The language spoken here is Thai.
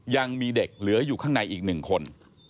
ยังมีเด็กเหลืออยู่ข้างในอีก๑คน